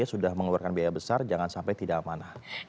sudah mengeluarkan biaya besar jangan sampai tidak amanah